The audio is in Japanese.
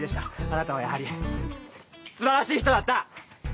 あなたはやはり素晴らしい人だった！